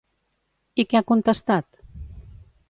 I què ha contestat?